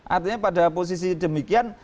artinya pada posisi demikian